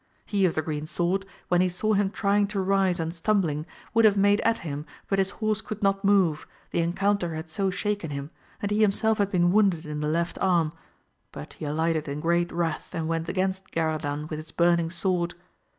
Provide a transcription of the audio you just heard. He of the green sword, when he saw him trying to rise and stumbling, would have made at him but his horse could not move, the encounter had so shaken him, and he himself had been wounded in the left arm, but he alighted in great wrath and went against Garadan with his burning sword.